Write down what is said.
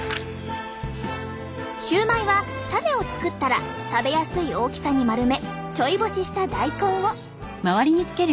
シューマイはタネを作ったら食べやすい大きさに丸めちょい干しした大根を。